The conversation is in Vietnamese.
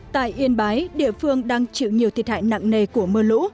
tại yên bái địa phương đang chịu nhiều thiệt hại nặng nề của mưa lũ